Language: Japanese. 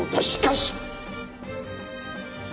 しかし！